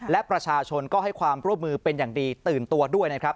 และประชาชนก็ให้ความร่วมมือเป็นอย่างดีตื่นตัวด้วยนะครับ